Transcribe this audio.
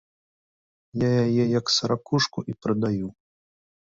Я яе як саракушку і прадаю.